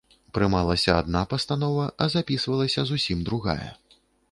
Прымалася адна пастанова, а запісвалася зусім другая.